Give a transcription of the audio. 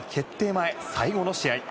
前最後の試合。